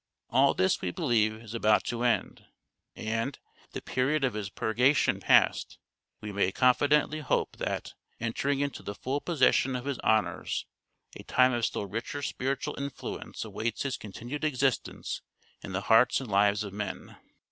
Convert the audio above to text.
All this, we believe, is about to end ; and, the period of his purgation passed, we may confidently hope that, entering into the full possession of his honours, a time of still richer spiritual influence awaits his continued existence in the hearts and lives of men.